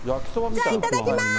じゃあ、いただきます。